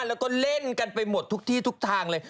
แล้วก็เล่นกันไปหมดทุกที่ทุกทางเลย